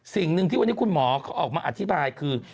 สิ่งหนึ่งที่วันนี้คุณหมอเขาออกมาอธิบายคือ